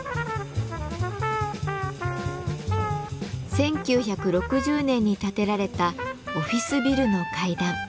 １９６０年に建てられたオフィスビルの階段。